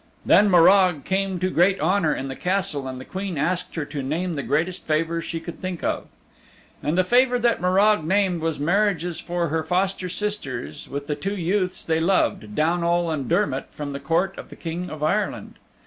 Then Morag came to great honor in the Castle and the Queen asked her to name the greatest favor she could think of. And the favor that Morag named was marriages for her foster sisters with the two youths they loved, Downal and Dermott from the court of the King of Ireland.